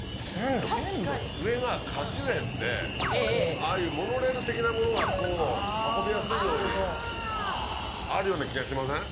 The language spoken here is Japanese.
上が果樹園でええええああいうモノレール的なものがこう運びやすいようにああーあるような気がしません？